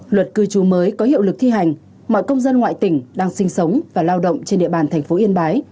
luật cư trú mới có hiệu lực thi hành mọi công dân ngoại tỉnh đang sinh sống và lao động trên địa bàn thành phố yên bái